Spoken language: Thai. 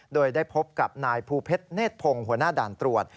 โดยได้พบกับนายภูเพชรเนธพงศ์หัวหน้าด่านตรวจ